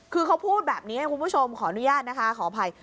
คือเขาพูดแบบนี้ให้คุณผู้ชมขออนุญาตนะคะขออภัย